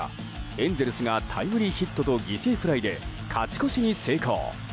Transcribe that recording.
エンゼルスがタイムリーヒットと犠牲フライで勝ち越しに成功。